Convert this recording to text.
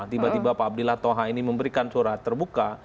tiba tiba pak abdillah toha ini memberikan surat terbuka